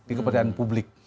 di kepedaan publik